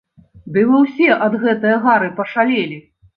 Ды вы ўсе ад гэтае гары пашалелі!